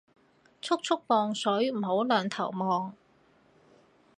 速速磅水唔好兩頭望